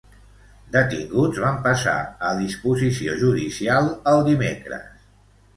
Detinguts van passar a disposició judicial el dimecres.